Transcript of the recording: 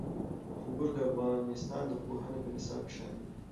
انګور د افغانستان د پوهنې په نصاب کې شامل دي.